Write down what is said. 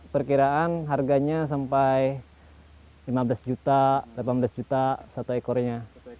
perkiraan harganya sampai lima belas juta delapan belas juta satu ekornya